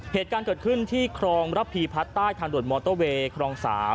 เหตุการณ์เกิดขึ้นที่ครองรับพีพัฒน์ใต้ทางด่วนมอเตอร์เวย์ครอง๓